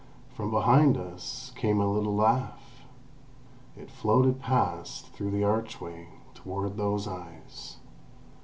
From behind us came a little laugh. It floated past through the archway, toward those eyes.